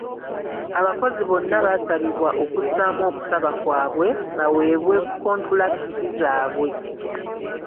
Abakozi bonna baasabibwa okussaamu okusaba kwabwe baweebwe kontulakiti zaabwe .